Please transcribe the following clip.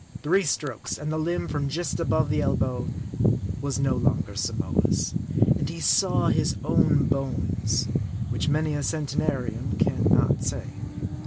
97 Three strokes, and the limb, from just above the elbow, was no longer Samoa's ; and he saw his own bones ; which many a centenarian can not say.